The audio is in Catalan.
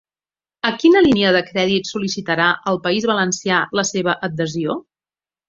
A quina línia de crèdit sol·licitarà el País Valencià la seva adhesió?